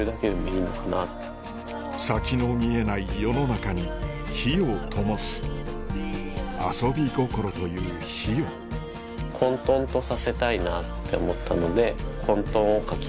先の見えない世の中に灯をともす遊び心という灯を混沌とさせたいなって思ったので渾沌を描きました。